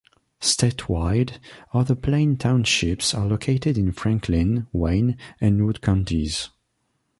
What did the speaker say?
Statewide, other Plain Townships are located in Franklin, Wayne, and Wood counties.